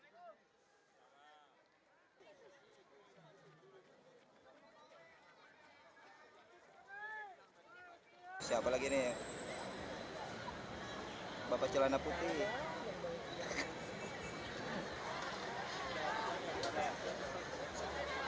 jalan mh tamrin jakarta pusat yang berjarak sekitar delapan ratus meter